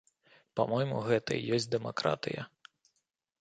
Па-мойму, гэта і ёсць дэмакратыя.